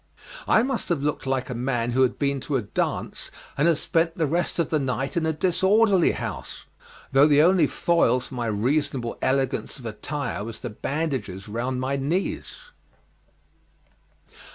I must have looked like a man who has been to a dance and has spent the rest of the night in a disorderly house, though the only foil to my reasonable elegance of attire was the bandages round my knees.